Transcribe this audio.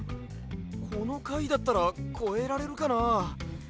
このかいだったらこえられるかな？